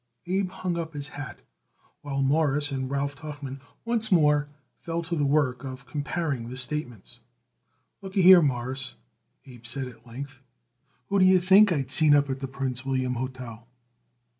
Abe hung up his hat, while Morris and Ralph Tuchman once more fell to the work of comparing the statements. "Look a here, Mawruss," Abe said at length: "who d'ye think I seen it up at the Prince William Hotel?"